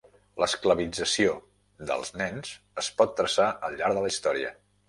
L'esclavització dels nens, es pot traçar al llar de la història.